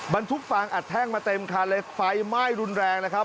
บรรทุกฟางอัดแท่งมาเต็มคันเลยไฟไหม้รุนแรงนะครับ